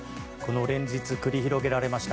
連日繰り広げられました